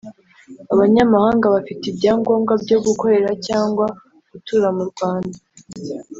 Abanyamahanga bafite ibyangombwa byo gukorera cyangwa gutura mu Rwanda